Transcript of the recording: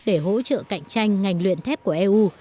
để hỗ trợ cạnh tranh ngành luyện thép của eu